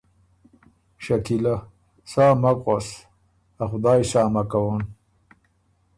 شکیله: سا مک غؤس۔ ا خدایٛ سا مک کوون۔